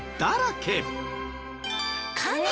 カニ！？